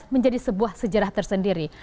menjadi sebuah sejarah tersendiri